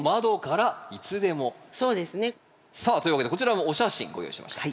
さあというわけでこちらもお写真ご用意しました。